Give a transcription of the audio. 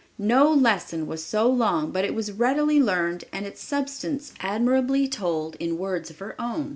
No lesson was so long but it was readily learned and its substance admirably told in words of her own.